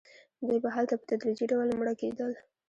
دوی به هلته په تدریجي ډول مړه کېدل.